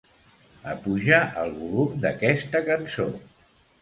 Apuja el volum d'aquesta cançó.